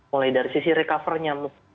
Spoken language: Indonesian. mulai dari sisi recovernya